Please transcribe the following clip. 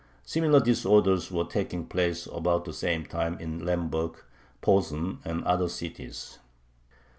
Similar disorders were taking place about the same time in Lemberg, Posen, and other cities.